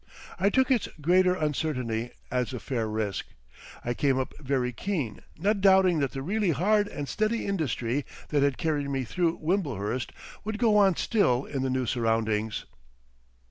I took its greater uncertainty as a fair risk. I came up very keen, not doubting that the really hard and steady industry that had carried me through Wimblehurst would go on still in the new surroundings.